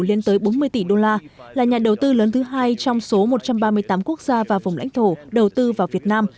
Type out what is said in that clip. lên tới bốn mươi tỷ đô la là nhà đầu tư lớn thứ hai trong số một trăm ba mươi tám quốc gia và vùng lãnh thổ đầu tư vào việt nam